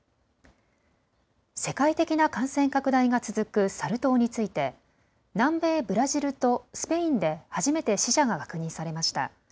世界的な感染拡大が続くサル痘について南米・ブラジルとスペインで初めて死者が確認されました。